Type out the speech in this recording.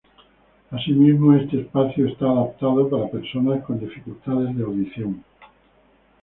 Asimismo, este espacio está adaptado para personas con dificultades de audición.